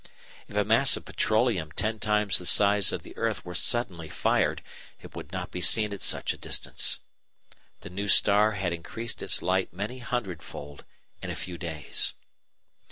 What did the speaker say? If a mass of petroleum ten times the size of the earth were suddenly fired it would not be seen at such a distance. The new star had increased its light many hundredfold in a few days.